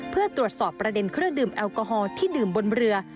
เพื่อตรวจสอบประเด็นเครื่องดื่มแอลกอฮอล์ที่ดื่มบนเรือ